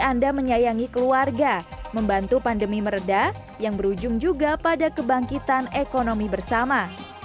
anda menyayangi keluarga membantu pandemi meredah yang berujung juga pada kebangkitan ekonomi bersama